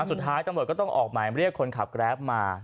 สุดท้ายตำรวจก็ต้องออกหมายเรียกคนขับแกรปมา